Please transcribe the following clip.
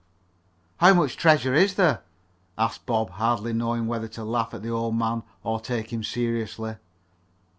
"How much treasure is there?" asked Bob, hardly knowing whether to laugh at the old man or take him seriously.